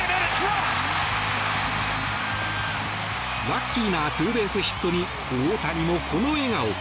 ラッキーなツーベースヒットに大谷もこの笑顔。